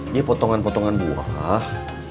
iya potongan potongan buah